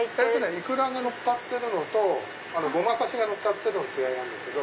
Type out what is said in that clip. イクラがのっかってるのとごま刺しがのっかってるのが違いなんですけど。